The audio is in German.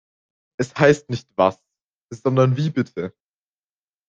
Es heißt nicht “Was“ sondern “Wie bitte“